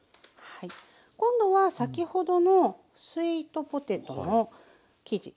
今度は先ほどのスイートポテトの生地。